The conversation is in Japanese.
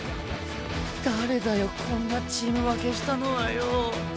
誰だよこんなチーム分けしたのはよ。